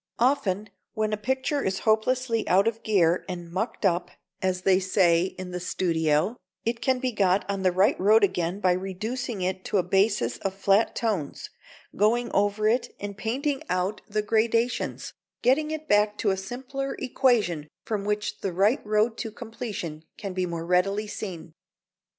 Often when a picture is hopelessly out of gear and "mucked up," as they say in the studio, it can be got on the right road again by reducing it to a basis of flat tones, going over it and painting out the gradations, getting it back to a simpler equation from which the right road to completion can be more readily seen.